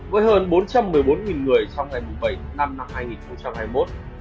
với hơn bốn trăm một mươi bốn người trong ngày bảy tháng năm năm hai nghìn hai mươi một